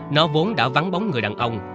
nó vốn đã vắng bóng người đàn ông